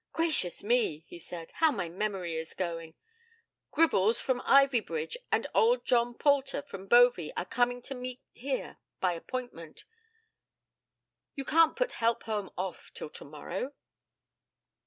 'Gracious me,' he said, 'how my memory is going! Gribbles, from Ivybridge, and old John Poulter, from Bovey, are coming to meet here by appointment. You can't put Helpholme off till tomorrow?'